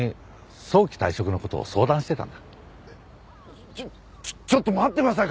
えっちょっちょっと待ってください